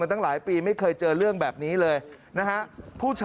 แล้วอ้างด้วยว่าผมเนี่ยทำงานอยู่โรงพยาบาลดังนะฮะกู้ชีพที่เขากำลังมาประถมพยาบาลดังนะฮะ